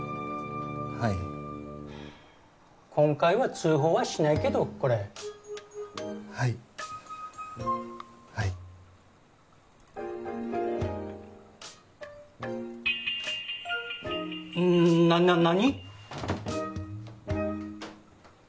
はい今回は通報はしないけどこれはいはいななな何？